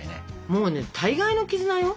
もうね大概の絆よ。